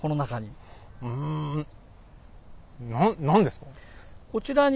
うんな何ですか？